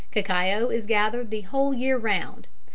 Cacao is gathered the whole year round.